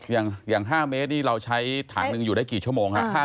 อย่าง๕เมตรอย่างนี้เราใช้ทางหนึ่งหยุดได้กี่ชั่วโมงครับ